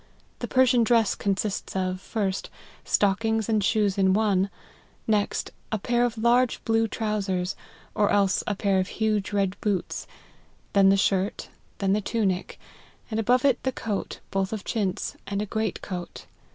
The Persian dress consists of, first, stockings and shoes in one ; next, a pair of large blue trowsers, or else a pair of huge red boots ; then the shirt, then the tunic, and above it the coat, both of chintz, and a great coat.